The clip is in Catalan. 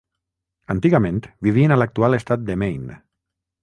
Antigament vivien a l'actual estat de Maine.